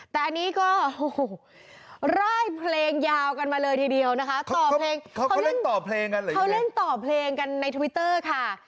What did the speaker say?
แต่อันนี้ก็ร่ายเพลงยาวกันมาเลยทีเดียวนะคะเขาเล่นต่อเพลงกันในทวิตเตอร์ค่ะ